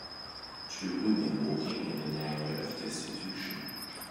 two women walking in an area of destitution.